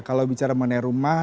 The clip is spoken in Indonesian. kalau bicara mengenai rumah